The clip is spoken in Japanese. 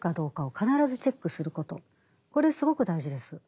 これすごく大事です。